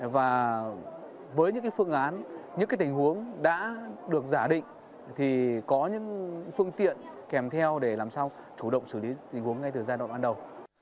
và với những phương án những tình huống đã được giả định thì có những phương tiện kèm theo để làm sao chủ động xử lý tình huống ngay từ giai đoạn ban đầu